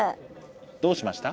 どうしました？